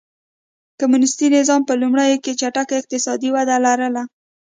کمونېستي نظام په لومړیو کې چټکه اقتصادي وده لرله.